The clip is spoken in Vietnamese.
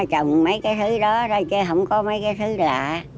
chồng mấy cái thứ đó thôi chứ không có mấy cái thứ lạ